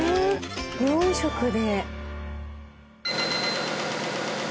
４色で。